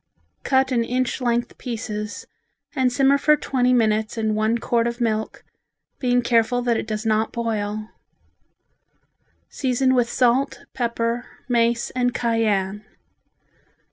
Cut in inch length pieces and simmer for twenty minutes in one quart of milk, being careful that it does not boil. Season with salt, pepper, mace and cayenne.